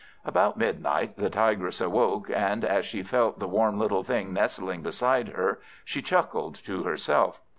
About midnight the Tigress awoke, and as she felt the warm little thing nestling beside her, she chuckled to herself.